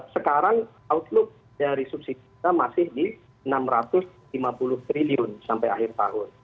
sekarang outlook dari subsidi kita masih di rp enam ratus lima puluh triliun sampai akhir tahun